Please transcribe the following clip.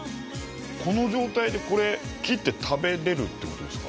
この状態でこれ切って食べれるってことですか？